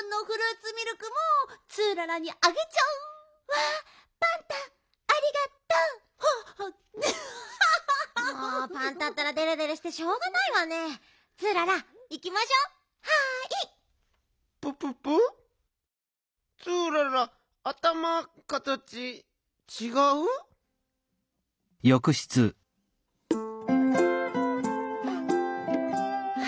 ツーララあたまかたちちがう？は